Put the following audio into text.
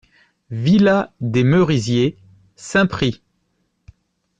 Villa des Merisiers, Saint-Prix